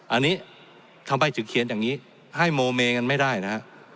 อันนี้ทำไมถึงเขียนอย่างนี้ให้โมเมกันไม่ได้นะฮะ